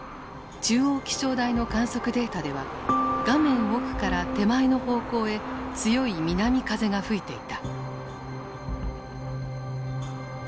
中央気象台の観測データでは画面奥から手前の方向へ強い南風が吹いていた。